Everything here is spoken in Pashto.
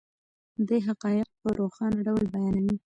دی حقایق په روښانه ډول بیانوي.